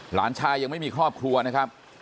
หลานชายยังไม่มีครอบครัวนะครับ